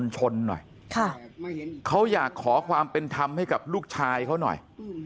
เขาอยากขอความเป็นธรรมให้กับลูกชายเขาหน่อย